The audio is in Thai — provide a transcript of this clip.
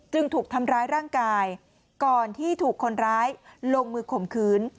ถูกทำร้ายร่างกายก่อนที่ถูกคนร้ายลงมือข่มขืน